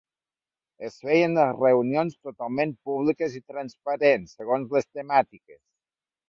Es feien reunions, totalment públiques i transparents, segons les temàtiques.